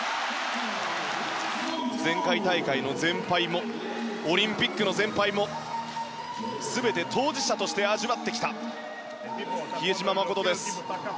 前回大会の全敗もオリンピックの全敗も全て当事者として味わってきた比江島慎です。